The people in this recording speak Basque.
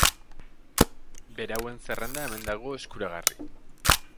Berauen zerrenda hemen dago eskuragarri.